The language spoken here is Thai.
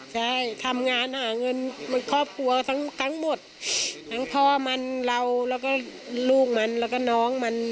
ใช่ทำงานหาเงินครอบครัวทั้งหมดทั้งพ่อมันเราแล้วก็ลูกมันแล้วก็น้องมัน